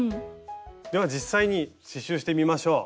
では実際に刺しゅうしてみましょう。